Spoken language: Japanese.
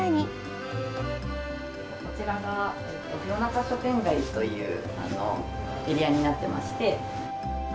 こちらが、フロナカ書店街というエリアになってまして。